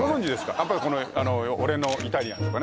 やっぱりこの俺のイタリアンとかね